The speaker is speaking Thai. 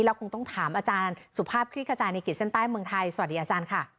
คงต้องถามอาจารย์สุภาพคลิกขจายในขีดเส้นใต้เมืองไทยสวัสดีอาจารย์ค่ะ